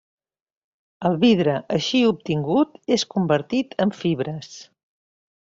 El vidre així obtingut és convertit en fibres.